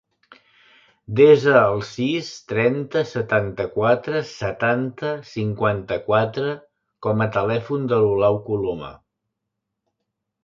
Desa el sis, trenta, setanta-quatre, setanta, cinquanta-quatre com a telèfon de l'Olau Coloma.